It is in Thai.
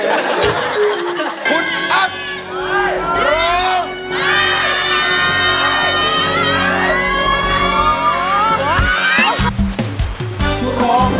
พุทธอัพร้อง